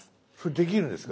できるんです。